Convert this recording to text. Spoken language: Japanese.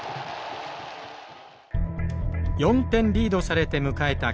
４点リードされて迎えた